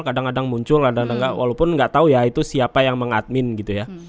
kadang kadang muncul walaupun nggak tahu ya itu siapa yang mengadmin gitu ya